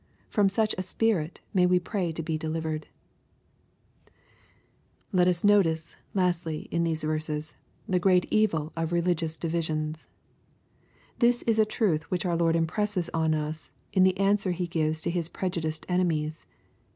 From such a spirit may we pray to be delivered 1 Let us notice, lastly, in these verses, the great evil of re^ ligious divisions. This is a truth which our Lord impresses on us in the answer He gives to His prejudiced enemies.